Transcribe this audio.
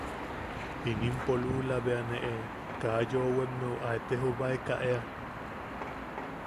Jinimpo lula bea ne ¡e... kaa yoʼowemmeu a etejobaeka ea!